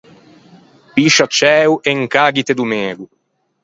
Piscia ciæo e incaghite do mego.